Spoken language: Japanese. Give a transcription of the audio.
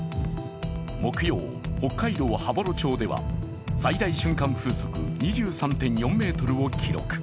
木曜、北海道羽幌町では最大瞬間風速２３．４ｍを記録。